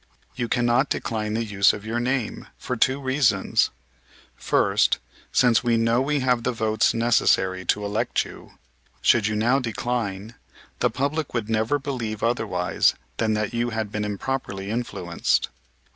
You cannot decline the use of your name, for two reasons; first, since we know we have the votes necessary to elect you, should you now decline the public would never believe otherwise than that you had been improperly influenced.